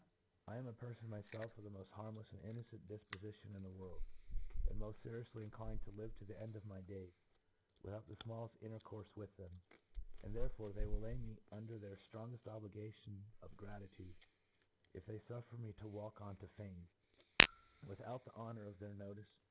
I am a perfon 'myfelf of the moft harmlefs and inno cent difpofition in the world, and moft ferioufly inclined to live to the end of my days, without the fmalleft intercourfe with them ; and there fore they will lay me under the ftronge'ft obliga tions to gratitude, if they fuffer me to walk on to fame, without the honour of their notice.